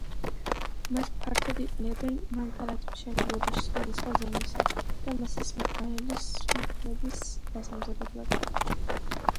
მას ფართოდ იყენებენ მანქანათმშენებლობაში, სხვადასხვა ზომისა და მასის მოყვანილი სხმულების დასამზადებლად.